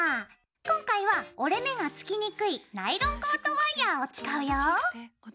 今回は折れ目がつきにくいナイロンコートワイヤーを使うよ。